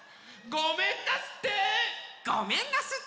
ごめんなすって！